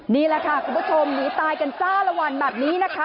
นี่แหละค่ะคุณผู้ชมหนีตายกันจ้าละวันแบบนี้นะคะ